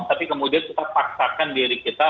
tapi kemudian kita paksakan diri kita